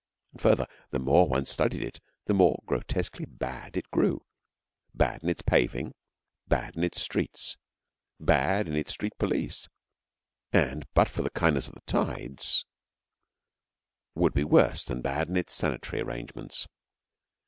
And further, the more one studied it, the more grotesquely bad it grew bad in its paving, bad in its streets, bad in its street police, and but for the kindness of the tides would be worse than bad in its sanitary arrangements.